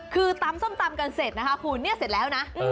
คือตำส้มตำกันเสร็จนะคะคุณเนี่ยเสร็จแล้วนะ